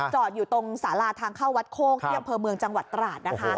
จอดอยู่ตรงสาราทางเข้าวัดโคกที่อำเภอเมืองจังหวัดตราดนะคะ